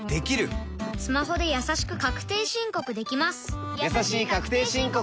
スマホでやさしく確定申告できます